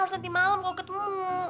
harus nanti malam kalau ketemu